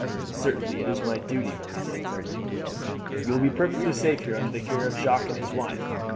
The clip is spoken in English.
"Certainly it is my duty," Marie said firmly. "You will be perfectly safe here under the care of Jacques and his wife.